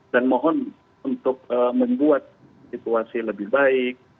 dan mohon untuk membuat situasi lebih baik